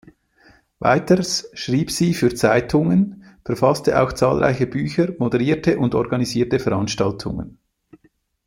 Weiters schrieb sie für Zeitungen, verfasste auch zahlreiche Bücher, moderierte und organisierte Veranstaltungen.